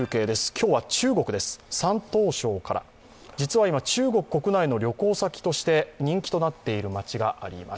今日は中国です、山東省から、実は今、中国国内の旅行先として、人気となっている町があります。